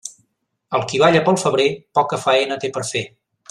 El qui balla pel febrer, poca faena té per fer.